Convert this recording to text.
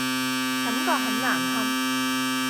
感覺很難堪